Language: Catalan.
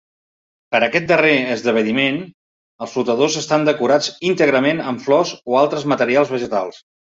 Per a aquest darrer esdeveniment, els flotadors estan decorats íntegrament amb flors o altres materials vegetals.